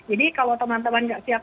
jadi kalau teman teman gak siap